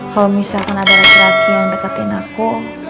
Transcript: kalau misalkan ada laki laki yang deketin aku